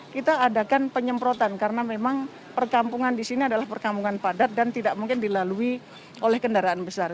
kita adakan penyemprotan karena memang perkampungan di sini adalah perkampungan padat dan tidak mungkin dilalui oleh kendaraan besar